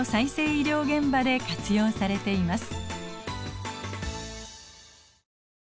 医療現場で活用されています。